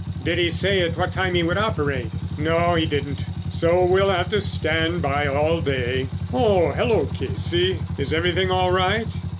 "Did he say at what time he would operate?" "No, he didn't, so we'll have to stand by all day. Oh, hello, Casey, is everything all right?"